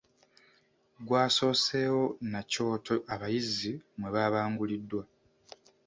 Gwasoosewo na kyoto abayizi mwe baabanguliddwa.